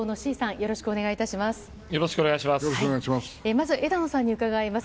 よろしくお願いします。